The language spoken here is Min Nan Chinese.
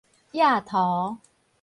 搤塗